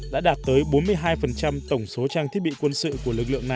đã đạt tới bốn mươi hai tổng số trang thiết bị quân sự